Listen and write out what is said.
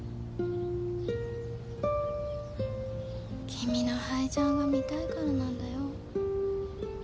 君のハイジャンが見たいからなんだよ。